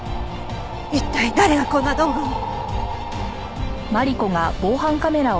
一体誰がこんな動画を！